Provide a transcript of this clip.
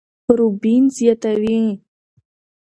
روبين زياتوي،